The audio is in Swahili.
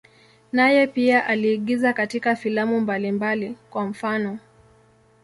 Naye pia aliigiza katika filamu mbalimbali, kwa mfano.